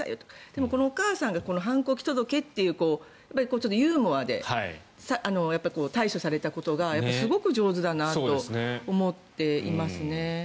でも、お母さんが反抗期届っていうユーモアで対処されたことがすごく上手だなと思っていますね。